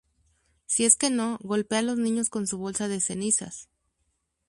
Si es que no, golpea a los niños con su bolsa de cenizas.